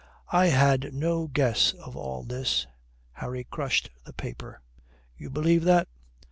"I had no guess of all this." Harry crushed the paper. "You believe that?"